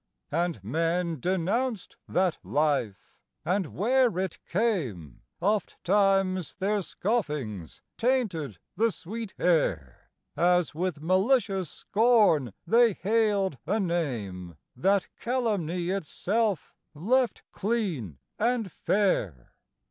And men denounced that Life; and where it came Ofttimes their scoffings tainted the sweet air, As with malicious scorn they hailed a name That calumny itself left clean and fair.